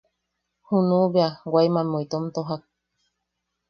Junuʼu bea Waimammeu itom tojak.